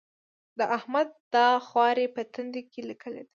د احمد دا خواري په تندي کې ليکلې ده.